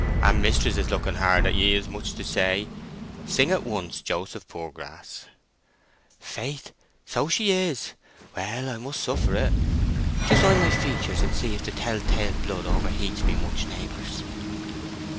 "And mistress is looking hard at ye, as much as to say, 'Sing at once, Joseph Poorgrass.'" "Faith, so she is; well, I must suffer it!... Just eye my features, and see if the tell tale blood overheats me much, neighbours?"